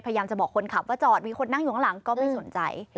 พยายามจะบอกคนขับว่าจอดมีคนนั่งอยู่ข้างหลังก็ไม่สนใจ